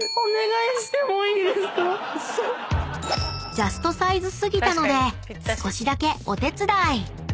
［ジャストサイズ過ぎたので少しだけお手伝い］